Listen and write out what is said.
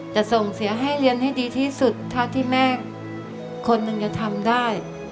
จะส่งเสียให้เรียนให้ดีที่สุดเท่าที่แม่คนหนึ่งจะทำได้